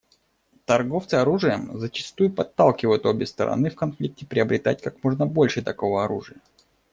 Торговцы оружием зачастую подталкивают обе стороны в конфликте приобретать как можно больше такого оружия.